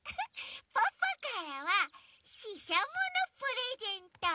ポッポからはししゃものプレゼント。